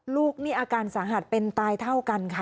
ลูกนี่อาการสาหัสเป็นตายเท่ากันค่ะ